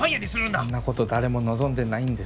そんなこと誰も望んでないんです。